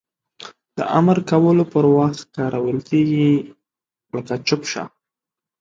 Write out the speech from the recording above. د امر کولو پر وخت کارول کیږي لکه چوپ شه!